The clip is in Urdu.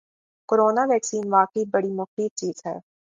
کورونا ویکسین واقعی بڑی مفید چیز ہے